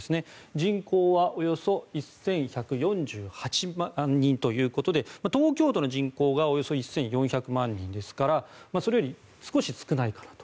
人口はおよそ１１４８万人ということで東京都の人口がおよそ１４００万人ですからそれより少し少ないぐらいと。